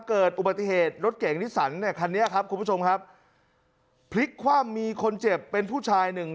เกิดอุบัติเหตุรถเก่งนิสันเนี่ยคันนี้ครับคุณผู้ชมครับพลิกคว่ำมีคนเจ็บเป็นผู้ชายหนึ่ง